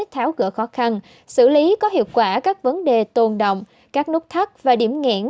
tháo gỡ khó khăn xử lý có hiệu quả các vấn đề tồn động các nút thắt và điểm nghẽn